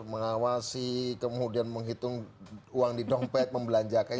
mengawasi kemudian menghitung uang di dompet membelanjakan